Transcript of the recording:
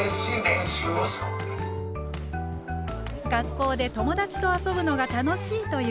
学校で友達と遊ぶのが楽しいといういおなさん。